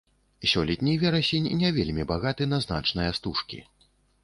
Сёлетні верасень не вельмі багаты на значныя стужкі.